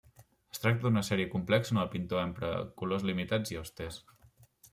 Es tracta d'una sèrie complexa on el pintor empra colors limitats i austers.